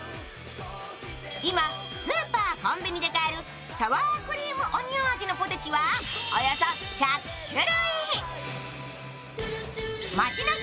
今、スーパー・コンビニで買えるサワークリームオニオン味のポテチはおよそ１００種類。